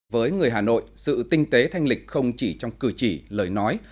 với người hà nội sự tinh tế thanh lịch không chỉ trong cử chỉ lời nói